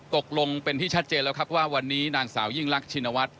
ตกลงเป็นที่ชัดเจนแล้วครับว่าวันนี้นางสาวยิ่งรักชินวัฒน